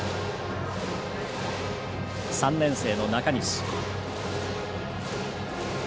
３年生の中西。